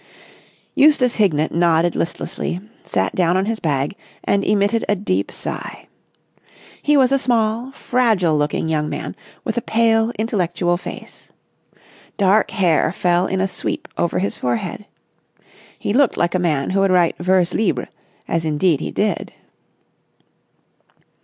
Eustace Hignett nodded listlessly, sat down on his bag, and emitted a deep sigh. He was a small, fragile looking young man with a pale, intellectual face. Dark hair fell in a sweep over his forehead. He looked like a man who would write vers libre, as indeed he did.